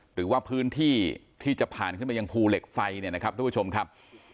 หรือว่าพื้นที่ที่จะผ่านขึ้นมายังภูเหล็กไฟเนี่ยนะครับทุกผู้ชมครับ